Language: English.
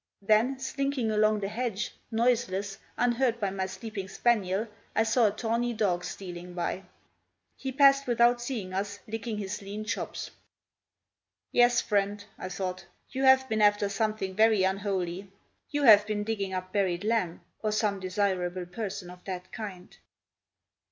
Then, slinking along the hedge, noiseless, unheard by my sleeping spaniel, I saw a tawny dog stealing by. He passed without seeing us, licking his lean chops. "Yes, friend," I thought, "you have been after something very unholy; you have been digging up buried lamb, or some desirable person of that kind!"